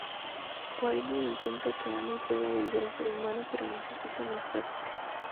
Willow intenta que Amy pueda volver a ser humana, pero necesita más práctica.